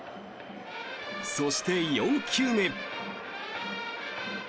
そして、４球目。